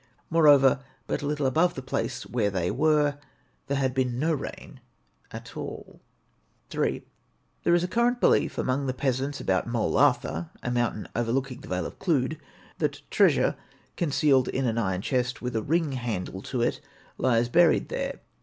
Moreover, but a little above the place where they were, there had been no rain at all. FOOTNOTE: 'Arch. Camb.' 3rd Se., ix., 306. III. There is a current belief among the peasants about Moel Arthur a mountain overlooking the Vale of Clwyd that treasure, concealed in an iron chest with a ring handle to it, lies buried there.